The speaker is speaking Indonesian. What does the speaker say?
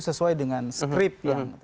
sesuai dengan skrip